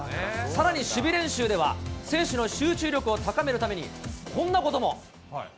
さらに、守備練習では、選手の集中力を高めるために、こんなことも。